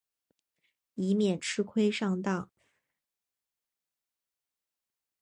以免吃亏上当